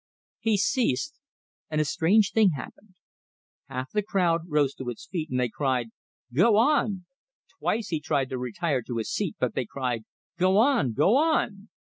He ceased, and a strange thing happened. Half the crowd rose to its feet; and they cried, "Go, on!" Twice he tried to retire to his seat, but they cried, "Go on, go on!"